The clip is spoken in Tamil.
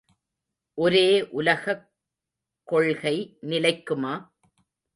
ஒரே உலகக் கொள்கை நிலைக்குமா?